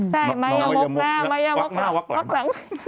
ใช่ไม้ยะมกหน้าวักหลัง